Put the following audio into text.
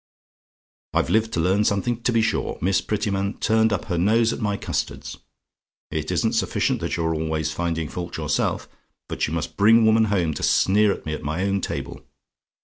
"I've lived to learn something, to be sure! Miss Prettyman turned up her nose at my custards. It isn't sufficient that you are always finding fault yourself, but you must bring women home to sneer at me at my own table.